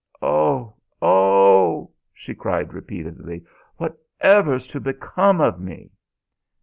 "Oh! Oh!" she cried repeatedly, "whatever's to become of me!"